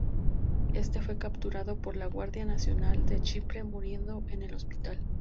Éste fue capturado por la Guardia Nacional de Chipre muriendo en el hospital.